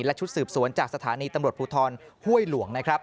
และชุดสืบสวนจากสถานีตำรวจพูทรฮ่วยหลวง